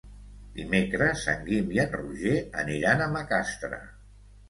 Dimecres en Guim i en Roger aniran a Macastre.